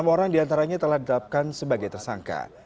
enam orang diantaranya telah ditetapkan sebagai tersangka